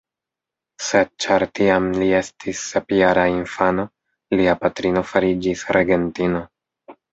Sed ĉar tiam li estis sepjara infano, lia patrino fariĝis regentino.